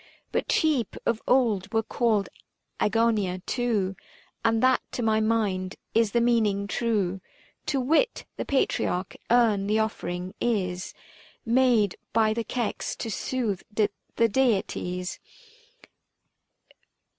But sheep of old were called Agonia too, And that to my mind is the meaning true ; To wit : the patriarch Earn the offering is Made by the Kex to soothe the deities.